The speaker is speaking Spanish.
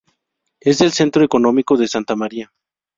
Es el centro económico de Santa Maria.